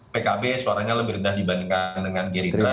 pkb suaranya lebih rendah dibandingkan dengan gerindra